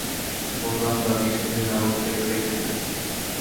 বলরাম, দাদীর সাথে দেখা করতে এক্সাইটেড নাকি?